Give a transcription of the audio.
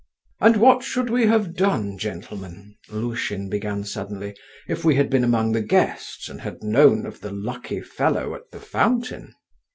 "And what should we have done, gentlemen?" Lushin began suddenly, "if we had been among the guests, and had known of the lucky fellow at the fountain?"